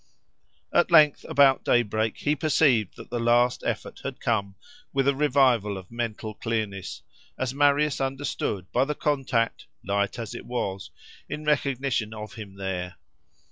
At length about day break he perceived that the last effort had come with a revival of mental clearness, as Marius understood by the contact, light as it was, in recognition of him there.